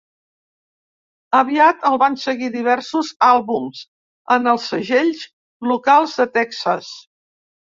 Aviat el van seguir diversos àlbums en els segells locals de Texas.